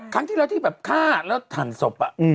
ครั้งที่แล้วที่แบบข้าพ์หล่อแล้วถั่นศพ